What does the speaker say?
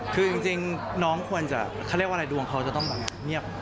คือจริงน้องควรจะเขาเรียกว่าอะไรดวงเขาจะต้องแบบเงียบ